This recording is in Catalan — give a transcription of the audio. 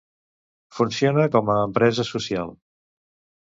Funciona com a empresa social.